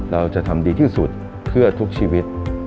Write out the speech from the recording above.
เราจะทำดีที่สุดเพื่อทุกชีวิต